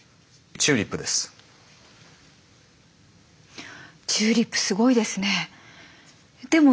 チューリップすごいですね。